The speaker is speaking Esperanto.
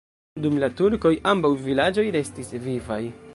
Dum la turkoj ambaŭ vilaĝoj restis vivaj.